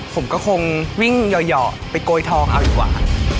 ผมก็คงวิ่งหย่อไปโกยทองเอาดีกว่า